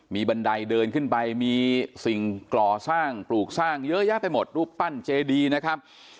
มีบันไดเดินขึ้นไปมีสิ่งก่อสร้างปลูกสร้างเยอะแยะไปหมดรูปปั้นเจดีนะครับ